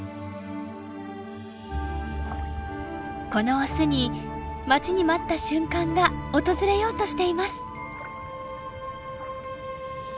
このオスに待ちに待った瞬間が訪れようとしています。